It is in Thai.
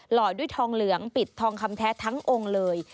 ห่อด้วยทองเหลืองปิดทองคำแท้ทั้งองค์เลย